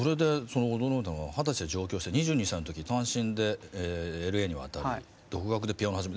驚いたのは「二十歳で上京して２２歳の時単身でＬＡに渡り独学でピアノ始め」。